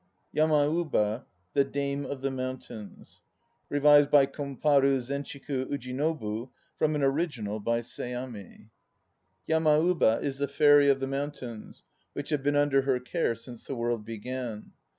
YAMAUBA (THE DAME OF THE MOUNTAINS) REVISED BY KOMPARU ZENCHIKU UJINOBU FROM AN ORIGINAL BY SEAMI YAMAUBA is the fairy of the mountains, which have been under her care since the world began.